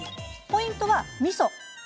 ポイントは、みそ。